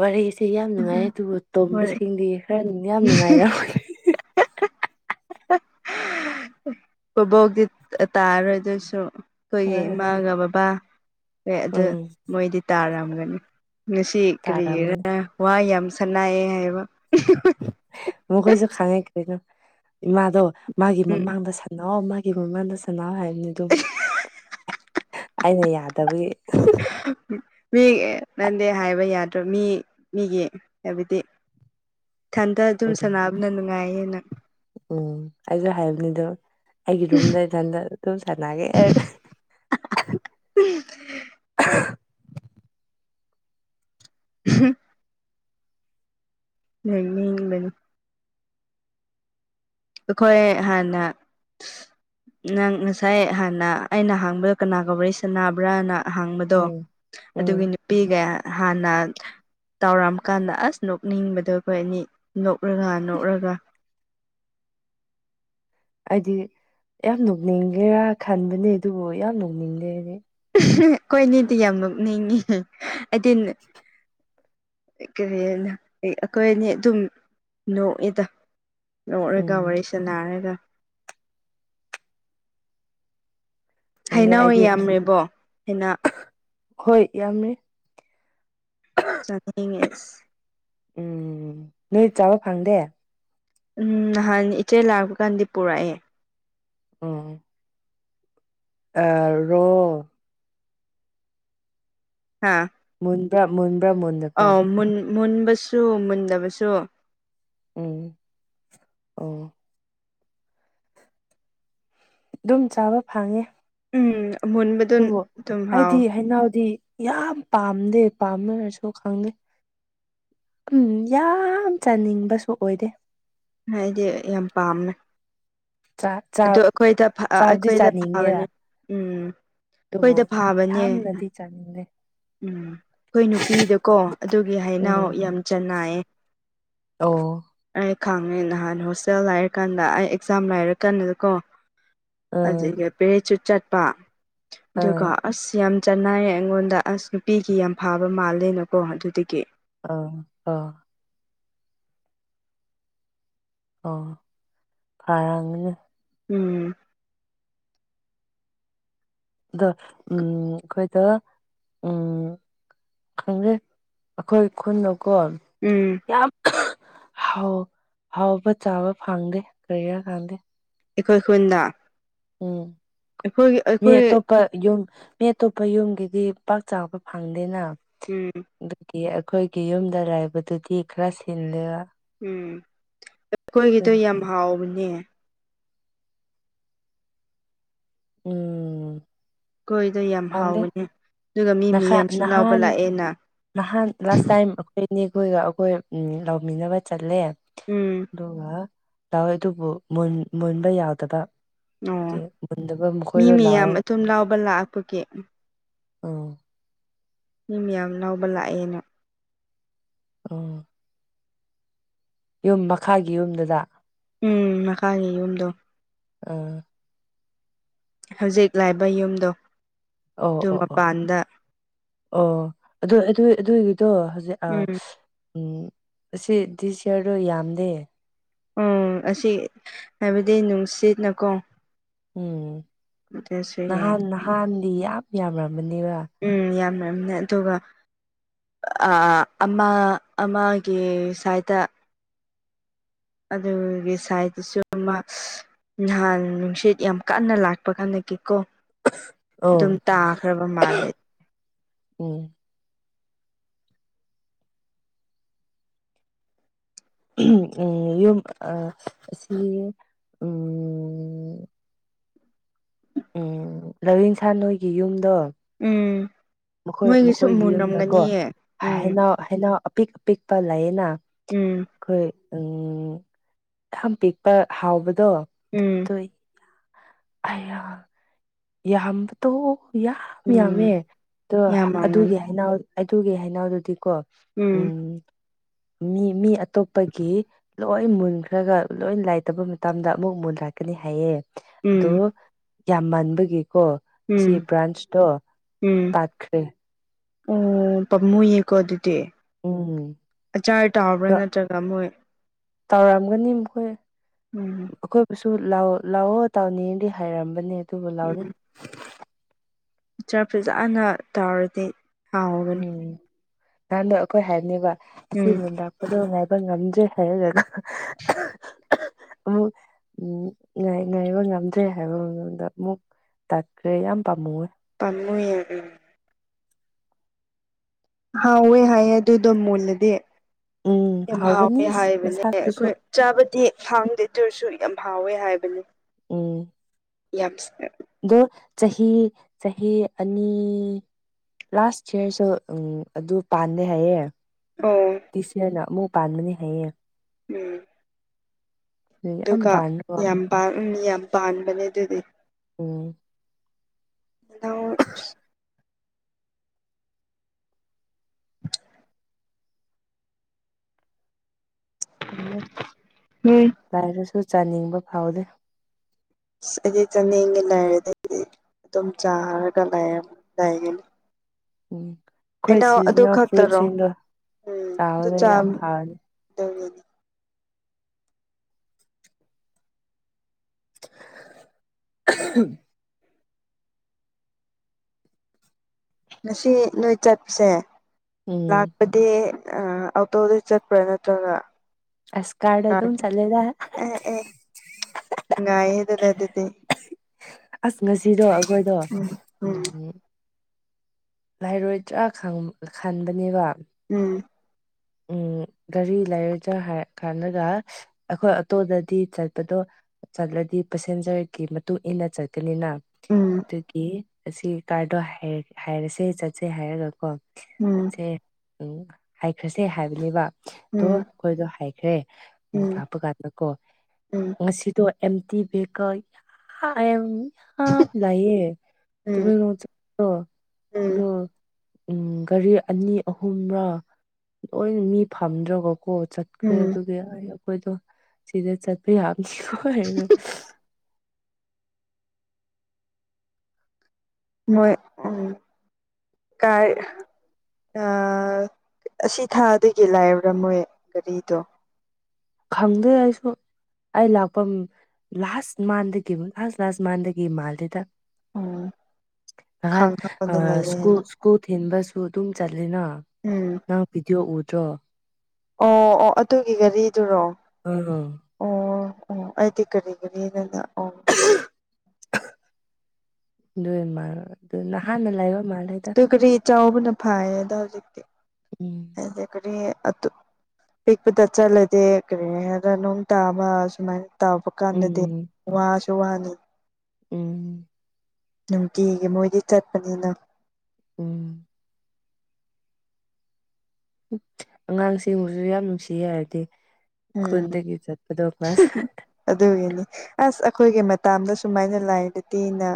ꯋꯥꯔꯤ ꯁꯦ ꯌꯥꯝ ꯅꯨꯡꯉꯥꯏꯌꯦ ꯑꯗꯨꯕꯨ ꯍꯣꯏ ꯇꯣꯝꯕꯁꯤꯡꯗꯤ ꯈꯔ ꯌꯥꯝ ꯅꯨꯡꯉꯥꯏꯔꯃꯒꯅꯤ ꯕꯣꯕꯣꯛꯇꯤ ꯇꯥꯔꯣꯏ ꯑꯗꯨꯁꯨ ꯑꯩꯈꯣꯏꯒꯤ ꯏꯃꯥꯒ ꯕꯕꯥ ꯍꯣꯏ ꯑꯗꯨ ꯎꯝ ꯃꯣꯏꯗꯤ ꯇꯥꯔꯝꯒꯅꯤ ꯉꯁꯤ ꯇꯥꯔꯝꯒꯅꯤ ꯀꯔꯤꯒꯤꯔ ꯋꯥ ꯌꯥꯝ ꯁꯟꯅꯌꯦ ꯍꯥꯏꯕꯥ ꯀꯩꯅꯣ ꯏꯃꯥꯗꯣ ꯃꯥꯒꯤ ꯎꯝ ꯃꯃꯥꯡꯗ ꯁꯥꯟꯅꯧ ꯃꯥ ꯑꯩꯒꯤ ꯃꯃꯥꯡꯗ ꯁꯅꯥꯎ ꯍꯥꯏꯕꯅꯤ ꯑꯗꯨꯝ ꯑꯩꯅ ꯌꯥꯗꯕꯒꯤ ꯗꯦ ꯍꯥꯏꯕ ꯌꯥꯗ꯭ꯔ ꯃꯤ ꯃꯤꯒꯤ ꯍꯥꯏꯕꯗꯤ ꯏꯊꯟꯗ ꯑꯗꯨꯝ ꯎꯝ ꯁꯥꯟꯅꯕꯅ ꯅꯨꯡꯉꯥꯏꯌꯦꯅ ꯎꯝ ꯑꯩꯁꯨ ꯍꯥꯏꯕꯅꯤꯗꯣ ꯑꯩꯒꯤ ꯔꯨꯝꯗ ꯏꯊꯟꯗ ꯁꯥꯟꯅꯒꯦ ꯍ ꯅꯣꯛꯅꯤꯡꯕꯅꯤ ꯑꯩꯈꯣꯏ ꯍꯥꯟꯅ ꯅꯪ ꯉꯁꯥꯏ ꯍꯥꯟꯅ ꯑꯩꯅ ꯍꯡꯕꯗ ꯀꯅꯥꯒꯔ ꯁꯕ꯭ꯔꯥꯅ ꯍꯡꯕꯗꯣ ꯎꯝ ꯎꯝ ꯑꯗꯨꯒꯤ ꯅꯨꯄꯤꯒ ꯍꯥꯟꯅ ꯇꯥꯎꯔꯝ ꯀꯥꯟꯗ ꯑꯁ ꯅꯣꯛꯅꯤꯡꯕꯗꯣ ꯑꯩꯈꯣꯏ ꯑꯅꯤ ꯅꯣꯛꯔꯒ ꯅꯣꯛꯔꯒ ꯍꯥꯏꯗꯤ ꯌꯥꯝ ꯅꯣꯛꯅꯤꯡꯒꯦꯔꯥ ꯈꯟꯕꯅꯦ ꯑꯗꯨꯕꯨ ꯌꯥꯝ ꯅꯣꯛꯅꯤꯡꯗꯦ ꯑꯩꯗꯤ ꯑꯩꯈꯣꯏꯅꯤꯗꯤ ꯌꯥꯝ ꯅꯣꯛꯅꯤꯡꯉꯤ ꯑꯗꯨꯅ ꯀꯔꯤ ꯍꯥꯏꯅ ꯑꯩꯈꯣꯏ ꯑꯅꯤ ꯑꯗꯨꯝ ꯅꯣꯛꯏꯗ ꯂꯧꯔꯒ ꯎꯝ ꯋꯥꯔꯤ ꯁꯥꯅꯔꯒ ꯈꯪꯗꯦ ꯍꯩꯅꯧ ꯑꯩꯗꯤ ꯌꯥꯝꯔꯤꯕꯣ ꯍꯩꯅꯧ ꯍꯣꯏ ꯌꯥꯝ ꯔꯩ ꯆꯥ ꯊꯛꯅꯤꯡꯉꯦ ꯎꯝ ꯅꯣꯏ ꯆꯥꯕ ꯐꯪꯗꯦ ꯎꯝ ꯅꯍꯥꯟ ꯏꯆꯦ ꯂꯥꯛꯄ ꯀꯥꯟꯗꯤ ꯄꯨꯔꯛꯑꯦ ꯎꯝ ꯑꯔꯣ ꯍꯥꯥ ꯃꯨꯟꯕ꯭ꯔꯥ ꯃꯨꯟꯕ꯭ꯔꯥ ꯃꯨꯟꯗꯕ꯭ꯔꯥ ꯃꯨꯟ ꯃꯨꯟꯕꯁꯨ ꯃꯨꯟꯗꯕꯁꯨ ꯎꯝ ꯑꯣ ꯑꯗꯨꯝ ꯆꯥꯕ ꯐꯪꯉꯦ ꯎꯝ ꯃꯨꯟꯕꯗꯨ ꯑꯗꯨꯕꯨ ꯑꯗꯨꯝ ꯍꯥꯎ ꯑꯩꯗꯤ ꯍꯩꯅꯧꯗꯤ ꯌꯥꯝ ꯄꯥꯝꯗꯦ ꯄꯥꯝꯅꯔꯁꯨ ꯈꯪꯗꯦ ꯎꯝ ꯌꯥꯝ ꯆꯥꯅꯤꯡꯕꯁꯨ ꯑꯣꯏꯗꯦ ꯑꯩꯗꯤ ꯌꯥꯝ ꯄꯥꯝꯃꯦ ꯆꯥ ꯆꯥ ꯑꯗꯨ ꯑꯩꯈꯣꯏꯗ ꯆꯥꯕꯗꯤ ꯑꯩꯈꯣꯏꯗ ꯆꯥꯅꯤꯡꯉꯦ ꯐꯕꯅꯦ ꯎꯝ ꯑꯗꯨꯕꯨ ꯑꯩꯈꯣꯏꯗ ꯐꯥꯕꯅꯦ ꯌꯥꯝꯅꯗꯤ ꯆꯥꯅꯤꯡꯗꯦ ꯎꯝ ꯑꯩꯈꯣꯏ ꯅꯨꯄꯤꯗꯀꯣ ꯑꯗꯨꯒꯤ ꯍꯩꯅꯥꯎ ꯎꯝ ꯌꯥꯝ ꯆꯅꯩꯌꯦ ꯑꯣ ꯈꯪꯉꯦ ꯅꯍꯥꯟ ꯍꯣꯁꯇꯦꯜ ꯂꯩꯔ ꯀꯥꯟꯗ ꯑꯩ ꯑꯦꯛꯖꯥꯝ ꯂꯩꯔ ꯀꯥꯟꯗ ꯀꯣ ꯑꯥ ꯑꯗꯨꯒ ꯄꯦꯔꯦꯠꯆꯨ ꯆꯠꯄ ꯑꯥ ꯑꯗꯨꯒ ꯑꯁ ꯌꯥꯝ ꯆꯅꯥꯏꯌꯦ ꯑꯩꯉꯣꯟꯗ ꯑꯁ ꯅꯨꯄꯤꯒꯤ ꯌꯥꯝ ꯐꯥꯕ ꯃꯥꯜꯂꯦꯅꯀꯣ ꯑꯗꯨꯗꯒꯤ ꯑꯥ ꯑꯥ ꯑꯣ ꯈꯔꯥꯝꯒꯅꯤ ꯎꯝ ꯗ ꯎꯝ ꯑꯩꯈꯣꯏꯗ ꯎꯝ ꯈꯪꯗꯦ ꯑꯩꯈꯣꯏ ꯈꯨꯟꯗꯀꯣ ꯎꯝ ꯌꯥꯝ ꯍꯥꯎ ꯍꯥꯎꯕ ꯆꯥꯕ ꯐꯪꯗꯦ ꯀꯔꯤ ꯔ ꯈꯪꯗꯦ ꯑꯩꯈꯣꯏ ꯈꯨꯟꯗ ꯎꯝ ꯑꯩꯈꯣꯏꯒꯤ ꯃꯤ ꯑꯩꯈꯣꯏ ꯑꯇꯣꯞꯄ ꯌꯨꯝ ꯃꯤ ꯑꯇꯣꯞꯄ ꯌꯨꯝꯒꯤꯗꯤ ꯄꯥꯛ ꯆꯥꯎꯕ ꯐꯪꯗꯦꯅ ꯎꯝ ꯑꯗꯨꯒꯤ ꯑꯩꯈꯣꯏꯒꯤ ꯌꯨꯝꯗ ꯂꯩꯥꯏꯕꯗꯨꯗꯤ ꯈꯔ ꯁꯤꯜꯂꯦꯕ ꯎꯝ ꯑꯩꯈꯣꯏꯒꯤꯗꯣ ꯌꯥꯝ ꯍꯥꯎꯕꯅꯦ ꯎꯝ ꯀꯣꯏꯗꯣ ꯌꯥꯝ ꯈꯪꯗꯦ ꯍꯥꯎꯕꯅꯦ ꯑꯗꯨꯒ ꯃꯤ ꯃꯤ ꯌꯥꯝꯁꯨ ꯂꯥꯎꯕ ꯅꯍꯥꯟ ꯂꯥꯛꯑꯦꯅ ꯅꯍꯥꯟ ꯂꯥꯁ ꯇꯥꯏꯝ ꯑꯩꯈꯣꯏ ꯏꯅꯦꯈꯣꯏꯒ ꯑꯩꯈꯣꯏ ꯂꯧꯥꯃꯤꯟꯅꯕ ꯆꯠꯂꯦ ꯎꯝ ꯑꯗꯨꯒ ꯇꯧꯋꯦ ꯑꯗꯨꯕꯨ ꯃꯨꯟ ꯃꯨꯟꯕ ꯌꯥꯎꯗꯕ ꯑꯣ ꯃꯨꯟꯗꯕ ꯃꯤ ꯃꯈꯣꯏꯗꯣ ꯃꯌꯥꯝ ꯂꯥꯎꯔꯒ ꯑꯗꯨꯝ ꯂꯥꯎꯕ ꯂꯥꯛꯄꯒꯤ ꯎꯝ ꯃꯤ ꯃꯌꯥꯝ ꯂꯧꯕ ꯂꯥꯛꯑꯦꯅ ꯑꯣ ꯌꯨꯝ ꯃꯈꯥꯒꯤ ꯌꯨꯝꯗꯨꯗ ꯎꯝ ꯃꯈꯥꯒꯤ ꯌꯨꯝꯗꯣ ꯑꯥ ꯍꯧꯖꯤꯛ ꯂꯩꯕ ꯌꯨꯝꯗꯣ ꯑꯣ ꯇꯨ ꯑꯣ ꯑꯣ ꯃꯄꯥꯟꯗ ꯑꯣ ꯑꯗꯨ ꯑꯗꯨ ꯑꯗꯨꯏꯒꯤꯗꯣ ꯍꯧꯖꯤꯛ ꯑ ꯎꯝ ꯎꯝ ꯑꯁꯤ ꯗꯤꯁ ꯢꯌꯥꯔꯗꯣ ꯌꯥꯝꯗꯦ ꯎ ꯑꯁꯤ ꯍꯥꯏꯕꯗꯤ ꯅꯨꯡꯁꯤꯠꯅꯀꯣ ꯎꯝ ꯑꯗꯨꯁꯨ ꯅꯍꯥꯟ ꯌꯥꯗꯦ ꯅꯍꯥꯟꯗꯤ ꯌꯥꯝ ꯌꯥꯝꯔꯝꯕꯅꯦꯕ ꯅꯦ ꯑꯗꯨꯒ ꯑ ꯑꯃ ꯑꯃꯒꯤ ꯁꯥꯏꯠꯇ ꯑꯗꯨꯒꯤ ꯁꯥꯏꯖꯠꯇꯁꯨ ꯑꯃ ꯅꯍꯥꯟ ꯅꯨꯡꯁꯤꯠ ꯌꯥꯝ ꯀꯟꯅ ꯂꯥꯛꯄ ꯀꯥꯟꯅꯒꯤ ꯀꯣ ꯑꯗꯨꯝ ꯑꯣ ꯇꯥꯈ꯭ꯔꯕ ꯃꯥꯜꯂꯦ ꯎꯝ ꯎꯝ ꯌꯨꯝ ꯑ ꯑꯁꯤ ꯎꯝ [inaudible] ꯎꯝ ꯂꯧꯔꯤꯟꯁꯥꯟ ꯅꯣꯏꯒꯤ ꯌꯨꯝꯗꯣ ꯎꯝ ꯃꯈꯣꯏ ꯃꯣꯏꯒꯤꯁꯨ ꯃꯈꯣꯏꯒꯤ ꯌꯨꯝꯗꯀꯣ ꯃꯨꯟꯔꯝꯒꯅꯤꯌꯦ ꯎꯝ ꯍꯩꯅꯣ ꯍꯩꯅꯧ ꯑꯄꯤꯛ ꯑꯄꯤꯛꯄ ꯂꯩꯌꯦꯅ ꯎꯝ ꯑꯩꯈꯣꯏ ꯎꯝ ꯌꯥꯝ ꯄꯤꯛꯄ ꯍꯥꯎꯕꯗꯣ ꯎꯝ ꯑꯗꯨꯏ ꯑꯌꯥ ꯌꯥꯝꯕꯗꯣ ꯌꯥꯝ ꯌꯥꯝꯃꯦ ꯎꯝ ꯑꯗꯣ ꯑꯗꯨꯒꯤ ꯌꯥꯝꯃꯝꯒꯅꯤ ꯍꯅꯥꯎ ꯑꯗꯨꯒꯤ ꯍꯩꯅꯧꯗꯨꯗꯤꯀꯣ ꯎꯝ ꯃꯤ [inaudible] ꯃꯤ ꯑꯇꯣꯞꯄꯒꯤ ꯂꯣꯏ ꯃꯨꯟꯈ꯭ꯔꯒ ꯂꯣꯏ ꯂꯥꯏꯇꯕ ꯃꯇꯝꯗ ꯑꯃꯨꯛ ꯃꯨꯟꯂꯛꯀꯅꯤ ꯍꯥꯏꯌꯦ ꯑꯗꯣ ꯎꯝ ꯌꯥꯝ ꯃꯟꯕꯒꯤ ꯀꯣ ꯁꯤ ꯎꯝ ꯕ꯭ꯔꯥꯟꯁꯇꯣ ꯇꯥꯠꯈ꯭ꯔꯦ ꯎꯝ ꯄꯝꯃꯨꯌꯦꯀꯣ ꯑꯗꯨꯗꯤ ꯎꯝ ꯑꯆꯥꯔ ꯇꯥꯕ꯭ꯔꯥ ꯑꯗꯣ ꯅꯠꯇ꯭ꯔꯒ ꯃꯣꯏ ꯇꯧꯔꯝꯒꯅꯤ ꯃꯈꯣꯏ ꯎꯝ ꯑꯗꯨ ꯂꯧꯑꯣ ꯂꯥꯛꯑꯣ ꯇꯥꯎꯅꯤꯡꯗꯤ ꯍꯥꯏꯔꯝꯕꯅꯦ ꯑꯗꯨꯕꯨ ꯂꯥꯎꯗꯦ ꯑꯆ꯭ꯔ ꯐꯖꯅ ꯇꯧꯔꯗꯤ ꯍꯥꯎꯒꯅꯤ ꯎꯝ ꯅꯍꯥꯟꯗꯣ ꯑꯩꯈꯣꯏ ꯍꯥꯏꯕꯅꯦꯕ ꯑꯁꯤ ꯎꯝ ꯅꯨꯡ ꯂꯥꯛꯄꯗꯣ ꯉꯥꯏꯕ ꯉꯝꯗ꯭ꯔꯦ ꯍꯥꯏꯔꯒꯀꯣ ꯑꯃꯨꯛ ꯎ ꯉꯥꯢ ꯉꯥꯏꯕ ꯉꯝꯗ꯭ꯔꯦ ꯍꯥꯏꯕ ꯃꯇꯝꯗ ꯑꯃꯨꯛ ꯇꯠꯈ꯭ꯔꯦ ꯌꯥꯝ ꯄꯥꯝꯃꯨ ꯌꯦ ꯄꯥꯝꯃꯨꯌꯦ ꯑꯗꯨꯗꯤ ꯍꯥꯎꯑꯣꯋꯦ ꯍꯥꯏꯌꯦ ꯑꯗꯨꯗꯣ ꯃꯨꯜꯅꯗꯤ ꯎꯝ ꯌꯥꯝ ꯍꯥꯎꯒꯅꯤ ꯍꯥꯎꯋꯦ ꯍꯥꯏꯕꯅꯦ ꯃꯁꯥꯛꯇꯨꯁꯨ ꯑꯩꯈꯣꯏ ꯆꯥꯕꯗꯤ ꯐꯪꯗꯦ ꯑꯗꯨ ꯑꯣꯢꯔꯁꯨ ꯌꯥꯝ ꯐꯥꯎꯋꯦ ꯍꯥꯏꯕꯅꯤ ꯎꯝ ꯌꯥꯝ ꯁꯇ꯭ꯔꯦꯠ ꯗꯣ ꯆꯍꯤ ꯆꯍꯤ ꯑꯅꯤ ꯂꯥꯁ ꯌꯥꯔꯁꯨ ꯎꯝ ꯑꯗꯨ ꯄꯥꯟꯗꯦ ꯍꯥꯏꯌꯦ ꯑꯣ ꯗꯤꯁ ꯢꯌꯦꯔꯅ ꯑꯃꯨꯛ ꯄꯥꯟꯒꯅꯤ ꯍꯥꯏꯌꯦ ꯎꯝ ꯌꯥꯝ ꯑꯗꯨꯒ ꯄꯥꯟꯕ ꯌꯥꯝ ꯄꯥꯝ ꯑꯝ ꯌꯥꯝ ꯄꯥꯟꯕꯅꯦ ꯑꯗꯨꯗꯤ ꯎꯝ ꯅꯪ ꯅꯦ ꯅꯣꯏ ꯄꯥꯢꯔꯁꯨ ꯆꯥꯅꯤꯡꯕ ꯐꯥꯎꯗꯦ ꯁꯁ ꯑꯩꯗꯤ ꯆꯥꯅꯤꯡꯒꯦ ꯂꯥꯢꯔꯗꯤ ꯗꯨꯝ ꯆꯥꯔꯒ ꯂꯩꯔ ꯂꯩꯒꯅꯤ ꯎꯝ ꯑꯈꯣꯏ ꯍꯩꯅꯧ ꯑꯗꯨ ꯁꯤꯖꯤꯟꯅꯧ ꯈꯛꯇꯔꯣ ꯐ꯭ꯔꯨꯏꯠꯁꯤꯡꯗꯣ ꯎꯝ ꯑꯗꯨ ꯆꯥꯎꯋꯣꯅꯦ ꯌꯥꯝ ꯐꯅꯤ ꯆꯥꯗꯒꯤꯅꯤ ꯑꯍꯝ ꯉꯁꯤ ꯅꯣꯏ ꯆꯠꯄꯁꯦ ꯎꯝ ꯂꯥꯛꯄꯗꯤ ꯑ ꯑꯥꯎꯇꯣꯗ ꯆꯠꯄ꯭ꯔꯥ ꯅꯠꯇ꯭ꯔꯒ ꯑꯁ ꯀꯥꯗ ꯑꯗꯨꯝ ꯆꯠꯂꯦꯗꯥ ꯉꯥꯢꯌꯦ ꯑꯗꯨꯗ ꯑꯗꯨꯗꯤ ꯑꯁ ꯉꯁꯤꯗꯣ ꯑꯩꯈꯣꯏꯗꯣ ꯎꯝ ꯂꯥꯏꯔꯣꯏ ꯆꯈꯪ ꯈꯟꯕꯅꯦꯕ ꯎꯝ ꯎꯝ ꯀꯔꯤ ꯂꯩꯔꯗꯔ ꯍꯥꯢ ꯈꯜꯂꯒ ꯑꯈꯣꯢ ꯑꯇꯣꯟꯗꯗꯤ ꯆꯠꯄꯗꯣ ꯆꯠꯂꯗꯤ ꯄꯦꯁꯦꯟꯖꯔꯒꯤ ꯃꯇꯨꯡ ꯏꯟꯅ ꯆꯠꯀꯅꯤꯅ ꯑꯗꯨꯒꯤ ꯑꯁꯤ ꯀꯥꯔꯗꯣ ꯍꯥꯏꯔ ꯍꯥꯏꯔꯁꯦ ꯆꯠꯁꯦ ꯍꯥꯏꯔꯒꯀꯣ ꯎꯝ ꯆꯠꯁꯦ ꯎꯝ ꯍꯥꯏꯈ꯭ꯔꯁꯦ ꯍꯥꯏꯕꯅꯦꯕ ꯑꯗꯣ ꯎꯝ ꯑꯈꯣꯏꯗꯣ ꯍꯥꯏꯈ꯭ꯔꯦ ꯑꯃꯛ ꯎꯝ ꯂꯥꯀꯄꯥ ꯀꯥꯟꯗꯀꯣ ꯉꯁꯤꯗꯣ ꯑꯃꯇꯤ ꯕꯍꯦꯀꯜ ꯍꯥꯢꯑꯝ ꯍꯥꯝ ꯂꯩꯌꯦ ꯎꯝ ꯎꯝ ꯇꯃꯦꯂꯣꯡ ꯆꯠꯄꯗꯣ ꯎꯝ ꯑꯗꯣ ꯎꯝ ꯒꯥꯔꯤ ꯑꯅꯤ ꯑꯍꯨꯝꯔꯥ ꯂꯣꯏ ꯃꯤ ꯐꯝꯗ꯭ꯔꯒꯣ ꯑꯣ ꯆꯠꯈ꯭ꯔꯦ ꯎꯝ ꯑꯗꯨꯒꯤ ꯑꯩ ꯑꯈꯣꯏꯗꯣ ꯁꯤꯗ ꯆꯠ ꯗꯤ ꯌꯥꯝ ꯁꯤꯈꯣ ꯍꯩꯅꯣ ꯃꯣꯏ ꯎꯝ ꯀꯥꯏ ꯌꯥꯝ ꯑꯁꯤ ꯊꯥꯗꯒꯤ ꯂꯥꯏꯕꯔꯥ ꯃꯣꯏ ꯒꯥꯔꯤꯗꯣ ꯈꯪꯗꯦ ꯑꯩꯁꯨ ꯑꯩ ꯂꯥꯛꯄ ꯂꯥꯁ ꯃꯥꯟꯗꯒꯤ ꯂꯥꯁ ꯂꯥꯁ ꯃꯥꯟꯗꯒꯤ ꯃꯥꯜꯂꯤꯗ ꯎꯝ ꯅꯍꯥꯟ ꯑ ꯈꯥꯡꯉꯕꯗ ꯂꯩꯌꯦ ꯁꯀꯨꯜ ꯍꯥꯏꯅ ꯁꯀꯨꯜ ꯊꯤꯟꯕꯁꯨ ꯑꯗꯨꯝ ꯆꯠ ꯂꯤꯅꯥ ꯎꯝ ꯅꯪ ꯚꯤꯗꯤꯌꯣ ꯎꯗ꯭ꯔꯣ ꯑꯣ ꯑꯣ ꯑꯗꯨꯒꯤ ꯒꯥꯔꯤꯗꯨꯔꯣ ꯑꯥ ꯑꯣ ꯑꯣ ꯑꯩꯗꯤ ꯀꯔꯤ ꯀꯔꯤꯅꯗ ꯑꯣ ꯑꯍ ꯅꯣꯢ ꯃꯥ ꯗꯨ ꯅꯍꯥꯟꯅ ꯂꯩꯕ ꯃꯥꯜꯂꯦꯗ ꯑꯗꯨ ꯒꯔꯤ ꯆꯥꯎꯕꯅ ꯐꯥꯏ ꯑꯦꯗꯥ ꯍꯧꯖꯤꯛꯇꯤ ꯎꯝ ꯍꯥꯏꯗꯤ ꯀꯔꯤ ꯑꯗꯨ ꯄꯤꯛꯄꯗ ꯆꯠꯂꯗꯤ ꯀꯔꯤ ꯍꯥꯏꯗ ꯅꯣꯡ ꯇꯥꯕ ꯁꯨꯃꯥꯏꯅ ꯇꯥꯕ ꯀꯥꯟꯗꯗꯤ ꯎꯝ ꯋꯥꯁꯨ ꯋꯥꯅꯤ ꯎꯝ ꯅꯨꯡꯇꯤꯒꯤ ꯃꯣꯏꯗꯤ ꯆꯠꯄꯅꯤꯅ ꯎꯝ ꯑꯉꯥꯡꯁꯤꯡꯕꯨꯁꯨ ꯌꯥꯝ ꯅꯨꯡꯁꯤꯌꯦ ꯍꯥꯏꯕꯗꯤ ꯎꯝ ꯍꯝ ꯍ ꯑꯗꯨꯒꯤꯅꯤ ꯑꯁ ꯑꯈꯣꯏꯒꯤ ꯃꯇꯥꯝꯗ ꯁꯨꯃꯥꯏꯅ ꯂꯥꯏꯔꯗꯤꯅ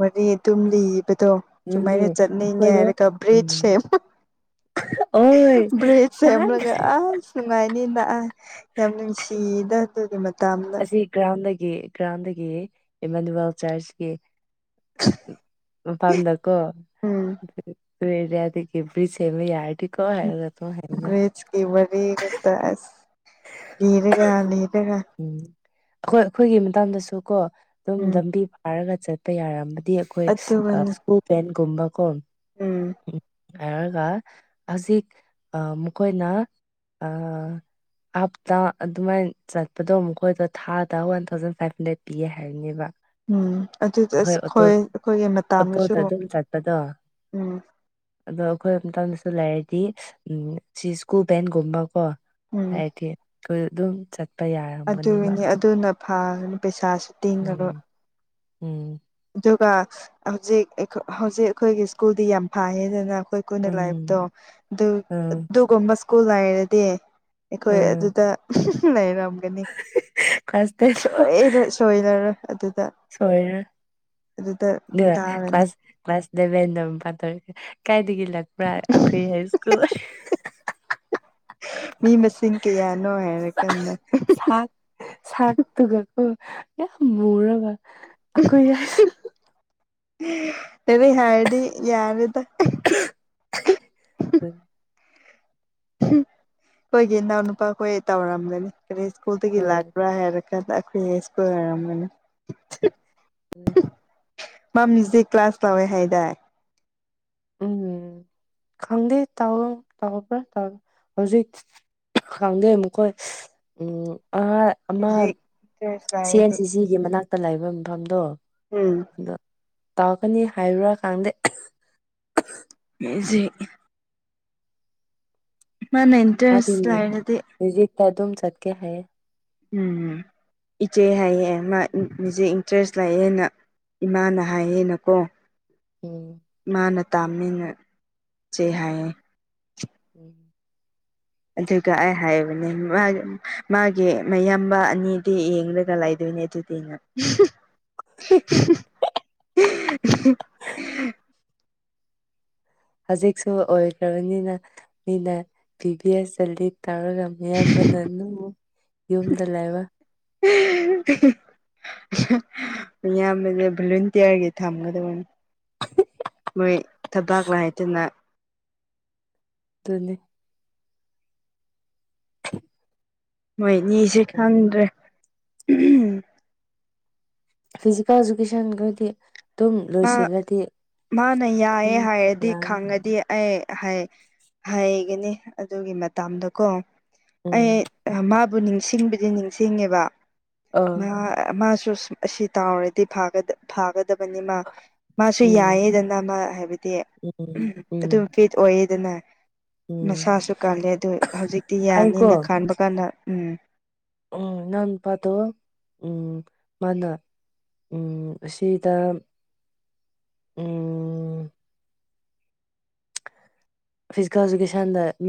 ꯋꯥꯔꯤ ꯑꯗꯨꯝ ꯂꯤꯕ ꯑꯗꯣ ꯑꯗꯨꯅꯦ ꯁꯨꯃꯥꯏꯅ ꯆꯠꯅꯤꯡꯉꯦ ꯑꯩꯈꯣꯏꯗꯣ ꯍꯥꯏꯔꯒ ꯎꯝ ꯕ꯭ꯔꯤꯁ ꯁꯦꯝ ꯑꯣꯏ ꯕ꯭ꯔꯤꯖ ꯅꯍꯥꯟ ꯁꯦꯝꯂꯒ ꯑꯁ ꯅꯨꯉꯥꯏ ꯅꯤꯅ ꯑ ꯌꯥꯝ ꯅꯨꯡꯁꯤꯗ ꯑꯗꯨꯒꯤ ꯃ ꯑꯁꯤ ꯒ꯭ꯔꯥꯎꯟꯗꯒꯤ ꯒ꯭ꯔꯥꯎꯟꯗꯒꯤ ꯏꯃꯥꯅꯨꯋꯦꯜ ꯆꯔꯆꯀꯤ ꯃꯄꯝꯗꯀꯣ ꯎꯝ ꯅꯣꯢ ꯑꯗꯋꯥꯢꯗꯒꯤ ꯄꯤꯁ ꯁꯦꯝꯕ ꯌꯥꯔꯗꯤꯀꯣ ꯍꯥꯢꯔꯗ ꯗꯨꯝ ꯍꯥꯢꯕꯗꯣ ꯗꯤ ꯍꯦꯛꯇ ꯑ ꯗꯤꯔꯒ ꯂꯤ ꯎꯝ ꯑꯩꯈꯣꯏ ꯑꯩꯈꯣꯏꯒꯤ ꯃꯇꯥꯡꯗꯁꯨ ꯀꯣ ꯑꯗꯨꯝ ꯎꯝ ꯂꯝꯕꯤ ꯐꯥꯔꯒ ꯆꯠꯄ ꯌꯥꯔꯝꯕ ꯗꯤ ꯑꯩꯈꯣꯏ ꯑ ꯑꯗꯨꯒꯅꯤ ꯁ꯭ꯀꯨꯜ ꯕꯦꯟꯒꯨꯝꯕ ꯀꯣ ꯎꯝ ꯍꯥꯏꯔꯒ ꯍꯧꯖꯤꯛ ꯑ ꯃꯈꯣꯏꯅ ꯑ ꯑꯞꯇ ꯑꯗꯨ ꯃꯥꯢ ꯆꯠꯄꯗꯣ ꯃꯈꯣꯏꯗꯣ ꯊꯥꯗ ꯋꯥꯟ ꯊꯥꯎꯖꯟ ꯐꯥꯏꯚ ꯍꯟꯗ꯭ꯔꯦꯠ ꯄꯤꯌꯦ ꯍꯥꯏꯕꯅꯦꯕ ꯎꯝ ꯑꯗꯨꯗ ꯑꯁ ꯑꯩꯈꯣꯏ ꯑꯣꯇꯣ ꯑꯈꯣꯏ ꯑꯩꯈꯣꯏꯒꯤ ꯃꯇꯥꯝꯗꯁꯨ ꯑꯣꯇꯣꯗ ꯑꯗꯨꯝ ꯆꯠꯄꯗꯣ ꯎꯝ ꯑꯗꯣ ꯑꯩꯈꯣꯏ ꯑꯃꯝꯇꯗꯁꯨ ꯂꯩꯔꯗꯤ ꯎ ꯁꯤ ꯁ꯭ꯀꯨꯜ ꯕꯦꯟꯒꯨꯝꯕ ꯀꯣ ꯍꯥꯏꯔꯗꯤ ꯑꯗꯨꯏ ꯑꯗꯨꯝ ꯆꯠ ꯑꯗꯨꯒꯤꯅꯦ ꯑꯗꯨꯅ ꯐꯥꯒꯅꯤ ꯄꯩꯁꯥꯁꯨ ꯇꯤꯡꯉꯔꯣꯏ ꯎꯝ ꯎꯝ ꯑꯗꯨꯒ ꯍꯧꯖꯤꯛ ꯑꯩꯈꯣ ꯍꯧꯖꯤꯛ ꯑꯩꯈꯣꯏꯒꯤ ꯁ꯭ꯀꯨꯜꯗꯤ ꯌꯥꯝ ꯐꯌꯦꯗꯅ ꯑꯩꯈꯣꯏ ꯀꯨꯟꯗ ꯎꯝ ꯂꯥꯏꯕꯗꯣ ꯑꯗꯨ ꯎꯝ ꯑꯗꯨꯒꯨꯝꯕ ꯁ꯭ꯀꯨꯜ ꯂꯩꯔꯗꯤ ꯑꯩꯈꯣꯏ ꯎꯝ ꯑꯗꯨꯗ ꯑꯍ ꯍꯝ ꯂꯩꯔꯝ ꯀꯅꯤ ꯀ꯭ꯂꯥꯁ ꯁꯣꯏꯔ ꯁꯣꯏꯔꯔ ꯑꯗꯨ ꯁꯣꯢꯔꯣꯢ ꯌꯥ ꯀꯥꯔꯅꯤ ꯀ꯭ꯂꯥꯁ ꯀ꯭ꯂꯥꯁ [unintelligible] ꯀꯥꯏ ꯀꯔꯤ ꯂꯥꯛꯄꯔꯥ ꯑꯈꯣꯏ ꯍꯥꯏꯁ꯭ꯀꯨꯜ ꯍꯤꯍꯥꯍꯥ ꯃꯤ ꯃꯁꯤꯡ ꯀꯌꯥꯅꯣ ꯍꯥꯏꯔꯀꯥꯟꯗ ꯁꯥꯛ ꯁꯥꯛꯇꯨꯒꯀꯣ ꯌꯥꯝ ꯃꯨꯔꯒ ꯑꯈꯣꯏ [unintelligible] ꯀꯔꯤ ꯍꯥꯏꯔꯗꯤ ꯌꯥꯔꯦꯗ ꯁ꯭ꯀꯨꯜ ꯑꯈꯣꯏꯒꯤ ꯏꯅꯥꯎ ꯅꯨꯄꯥꯈꯣꯏ ꯇꯧꯔꯝꯒꯅꯤ ꯀꯔꯤ ꯁ꯭ꯀꯨꯜꯗꯒꯤ ꯍꯣꯏ ꯂꯥꯛꯄ꯭ꯔꯥ ꯍꯥꯏꯔ ꯑꯈꯣꯏ ꯁ꯭ꯨꯀꯜ ꯑꯣꯏꯔꯝꯒꯅꯤ [inaudible] ꯃꯥ ꯃ꯭ꯌꯨꯖꯤꯛ ꯀ꯭ꯂꯥꯁ ꯂꯧꯋꯦ ꯍꯥꯏꯗꯥꯏ ꯎꯝ ꯈꯪꯗꯦ ꯇꯧ ꯇꯧꯕ꯭ꯔꯥ ꯍꯧꯖꯤꯛ ꯈꯪꯗꯦ ꯃꯈꯣꯏ ꯁ ꯎꯝ ꯑꯥ ꯑꯃ ꯃ꯭ꯌꯨꯖꯤꯛ ꯏꯟꯇꯔꯦꯁ ꯁꯤ ꯑꯦꯟ ꯂꯩꯔꯗꯤ ꯁꯤ ꯁꯤꯒꯤ ꯃꯅꯥꯛꯇ ꯂꯩꯕ ꯃꯐꯝꯗꯣ ꯎꯝ ꯇꯧꯒꯅꯤ ꯍꯥꯏꯕꯔ ꯈꯪꯗꯦ ꯃ꯭ꯌ꯭ꯨꯖꯤꯛ ꯃꯥꯅ ꯏꯟꯇ꯭ꯔꯦꯁ ꯂꯩꯔꯗꯤ ꯇ ꯑꯗꯨꯝ ꯆꯠꯀ ꯍꯥꯏꯌꯦ ꯎꯝ ꯏꯆꯦ ꯍꯥꯏꯌꯦ ꯃꯥ ꯃꯤꯌꯨꯖꯤꯛ ꯏꯟꯇ꯭ꯔꯦꯁ ꯂꯩꯌꯦꯅ ꯏꯃꯥꯅ ꯍꯥꯏꯌꯦꯅꯀꯣ ꯎꯝ ꯃꯥꯅ ꯇꯥꯃꯤꯟꯅꯁꯦ ꯍꯥꯏꯌꯦ ꯎꯝ ꯑꯗꯨꯒ ꯑꯩ ꯍꯥꯏꯕꯅꯦ ꯃꯥꯒꯤ ꯃꯥꯒꯤ ꯃꯌꯥꯝꯕ ꯑꯅꯤꯗꯤ ꯌꯦꯡꯂꯒ ꯂꯩꯗꯣꯏ ꯅꯦ ꯗꯨꯗꯤꯅ [unintelligible] ꯍꯧꯖꯤꯛꯁꯨ ꯑꯣꯏꯈ꯭ꯔꯕꯅꯤꯅ ꯃꯤꯅ ꯕꯤ ꯕꯤ ꯑꯦꯁ ꯆꯜꯂꯤ ꯇꯧꯔꯒ ꯃꯌꯥꯝꯕꯅ ꯅꯨꯡꯃꯨꯛ ꯌꯨꯝꯗ ꯂꯩꯕ [unintelligible] ꯌꯥꯝꯕꯗ ꯚꯣꯂꯟꯇꯤꯌꯥꯔꯒꯤ ꯊꯝꯒꯗꯕꯅꯤ ꯃꯣꯏ ꯊꯕꯥꯥꯛ ꯂꯩꯇꯅ ꯇꯨꯅꯤ ꯃꯣꯏꯅꯤꯁꯦ ꯈꯪꯗ꯭ꯔꯦ ꯐꯤꯖꯤꯀꯦꯜ ꯏꯖꯨꯀꯦꯁꯟꯈꯣꯏꯗꯤ ꯑꯥ ꯃꯥꯅ ꯑꯗꯨꯝ ꯌꯥꯏꯌꯦ ꯍꯥꯏꯔꯗꯤ ꯌꯥꯅꯤ ꯈꯪꯉꯗꯤ ꯑꯩ ꯍꯩ ꯍꯩꯒꯅꯤ ꯑꯗꯨꯒꯤ ꯃꯇꯝꯗꯣꯀꯣ ꯎꯝ ꯑꯩ ꯃꯥ ꯕꯨ ꯅꯤꯡꯁꯤꯡꯕꯗꯤ ꯅꯤꯡꯁꯤꯡꯉꯦꯕ ꯑꯥ ꯃꯥꯁꯨ ꯑꯁꯤ ꯇꯥꯎꯔꯗꯤ ꯐꯥꯒ ꯐꯥꯒꯗꯕꯅꯦ ꯃꯥꯁꯨ ꯎꯝ ꯌꯥꯏꯌꯦꯗꯅ ꯃꯥ ꯍꯥꯏꯕꯗꯤ ꯎꯝ ꯑꯗꯨꯝ ꯎꯝ ꯐꯤꯠ ꯑꯣꯏꯌꯦꯗꯅ ꯎꯝ ꯃꯁꯥꯁꯨ ꯀꯜꯂꯦ ꯑꯗꯨ ꯍꯧꯖꯤꯛꯇꯤ ꯌꯥꯅꯤꯅ ꯑꯩꯀꯣ ꯈꯥꯟꯕ ꯀꯥꯟꯗ ꯎꯝ ꯎꯝ ꯅꯥꯟ ꯅꯨꯄꯥꯇꯣ ꯎꯝ ꯃꯅꯥ ꯎꯝ ꯑꯁꯤꯗ ꯎꯝ ꯐꯤꯖꯤꯀꯦꯜ ꯑꯦꯖꯨꯀꯦꯁꯟꯗ ꯃ